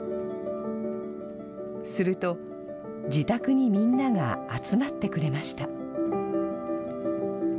すると、自宅にみんなが集まってくれました。